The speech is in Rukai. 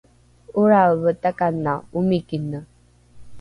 ora’eve takanao omikine